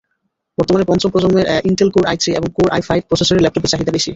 বর্তমানে পঞ্চম প্রজন্মের ইন্টেল কোর আইথ্রি এবং কোর আইফাইভ প্রসেসরের ল্যাপটপের চাহিদা বেশি।